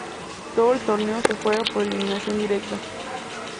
Todo el torneo se se juega por eliminación directa.